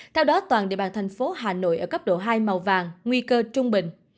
theo đó toàn địa bàn thành phố hà nội ở cấp độ hai màu vàng nguy cơ trung bình